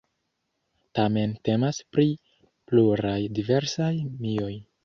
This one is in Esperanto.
Tamen temas pri pluraj diversaj mioj.